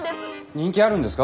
人気あるんですか？